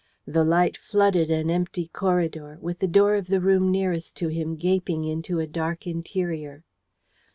The light flooded an empty corridor, with the door of the room nearest to him gaping into a dark interior.